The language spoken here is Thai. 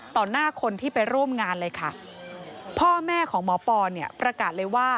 ต่อหน้าคนที่ไปร่วมงานเลยค่ะ